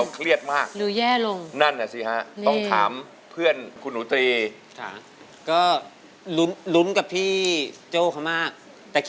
เพราะคุณตรีคุณหนูตรีให้เลือก